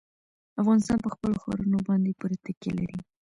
افغانستان په خپلو ښارونو باندې پوره تکیه لري.